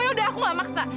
yaudah aku gak maksa